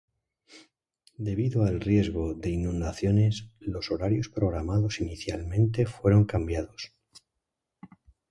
Debido al riesgo de inundaciones, los horarios programados inicialmente fueron cambiados.